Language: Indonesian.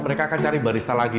mereka akan cari barista lagi